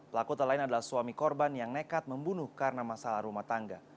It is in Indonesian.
pelaku tak lain adalah suami korban yang nekat membunuh karena masalah rumah tangga